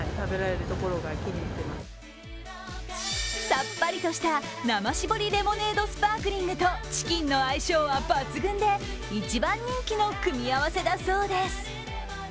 さっぱりとした生搾りレモネードスパークリングとチキンの相性は抜群で、一番人気の組み合わせだそうです。